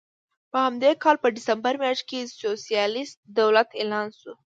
په همدې کال په ډسمبر میاشت کې سوسیالېست دولت اعلان شو.